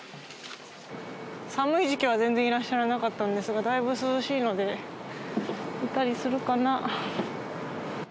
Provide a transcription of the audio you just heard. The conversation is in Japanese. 寒い時期は全然いらっしゃらなかったのですが、だいぶ涼しいので、いたりするかな。